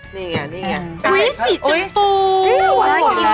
นี่ไงนี่ไง